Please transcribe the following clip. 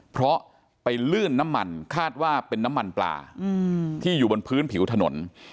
เพราะไปลื่นน้ำมันคาดว่าเป็นน้ำมันปลาที่อยู่บนพื้นผิวถนน